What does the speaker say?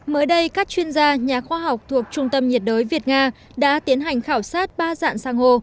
mới đây các chuyên gia nhà khoa học thuộc trung tâm nhiệt đới việt nga đã tiến hành khảo sát ba dạng san hô